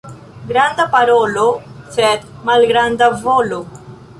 Granda parolo, sed malgranda volo.